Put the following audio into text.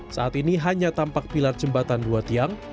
saat ini hanya tampak pilar jembatan dua tiang